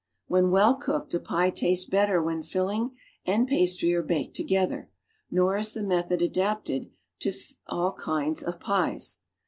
When well cooked, a pic tastes better when filling and pastry are baked together; nor is tlie method adapted to all kinds of pies.